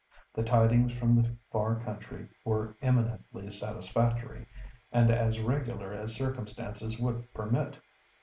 The tidings from the far country were eminently satisfactory, and as regular as circumstances would permit.